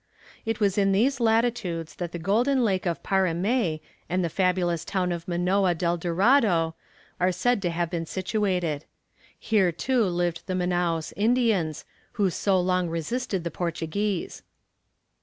It was in these latitudes that the golden lake of Parimé and the fabulous town of Manoa del Dorado are said to have been situated. Here, too, lived the Manaos Indians, who so long resisted the Portuguese.